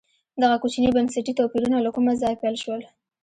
دغه کوچني بنسټي توپیرونه له کومه ځایه پیل شول.